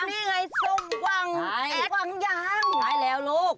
นี่ใช่สมว่างแปดบังญาณแปดบังค์ใช่แล้วลูก